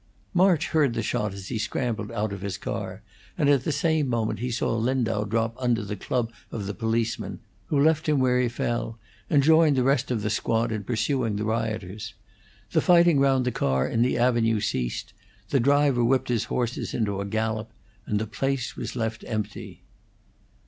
March heard the shot as he scrambled out of his car, and at the same moment he saw Lindau drop under the club of the policeman, who left him where he fell and joined the rest of the squad in pursuing the rioters. The fighting round the car in the avenue ceased; the driver whipped his horses into a gallop, and the place was left empty.